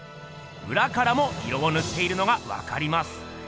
うらからも色をぬっているのがわかります。